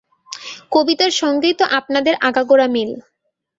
কবিতার সঙ্গেই তো আপনাদের আগাগোড়া মিল।